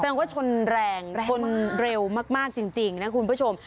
ว่าชนแรงชนเร็วมากจริงนะคุณผู้ชม